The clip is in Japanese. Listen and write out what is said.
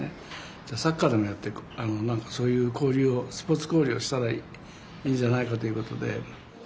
じゃあサッカーでもやってそういう交流をスポーツ交流をしたらいいんじゃないかということで。